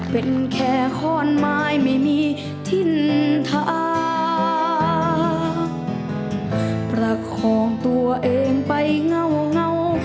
เป็นแค่ข้อนไม้ไม่มีทิ้นทางประคองตัวเองไปเงา